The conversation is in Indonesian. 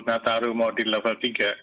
nataru mau di level tiga